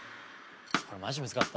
これマジむずかった。